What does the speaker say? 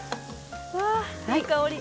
わあいい香り！